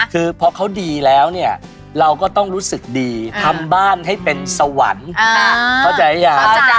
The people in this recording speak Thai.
เรื่องการงานการเงินล่ะคะ